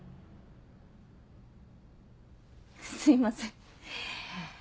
すいません。